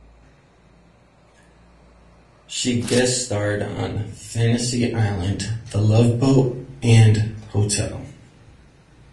She guest starred on "Fantasy Island", "The Love Boat" and "Hotel".